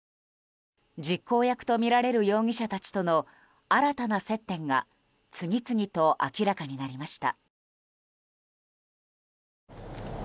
実行役とみられる容疑者たちとの新たな接点が次々と明らかになりました。